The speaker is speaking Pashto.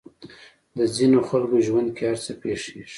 د ځينې خلکو ژوند کې هر څه پېښېږي.